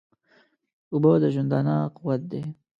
اوبه د ژوندانه قوت دي